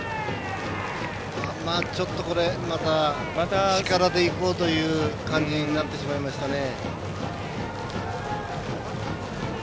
ちょっと力でいこうという感じになってしまいましたね。